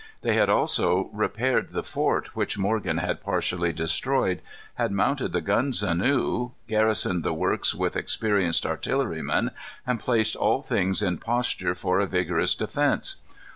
They had also repaired the fort which Morgan had partially destroyed, had mounted the guns anew, garrisoned the works with experienced artillerymen, and placed all things in posture for a vigorous defence.